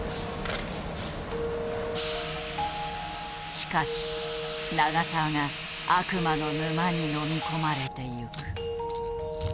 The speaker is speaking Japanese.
しかし長澤が悪魔の沼に飲み込まれていく。